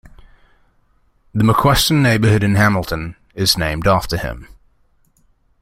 The McQuesten neighbourhood in Hamilton is named after him.